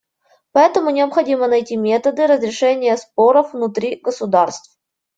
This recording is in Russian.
Поэтому необходимо найти методы разрешения споров внутри государств.